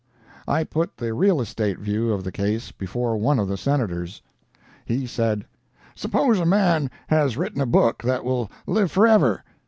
I put the real estate view of the case before one of the Senators. "He said: 'Suppose a man has written a book that will live for ever?'